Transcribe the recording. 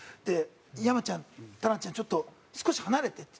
「山ちゃんたなちゃんちょっと少し離れて」っつって。